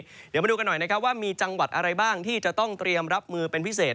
เดี๋ยวมาดูกันหน่อยนะครับว่ามีจังหวัดอะไรบ้างที่จะต้องเตรียมรับมือเป็นพิเศษ